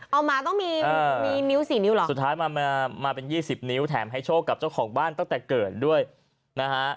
เอามาต้องมีมีนิ้วสี่นิ้วเหรอสุดท้ายมามาเป็นยี่สิบนิ้วแถมให้โชคกับเจ้าของบ้านตั้งแต่เกิดด้วยนะฮะ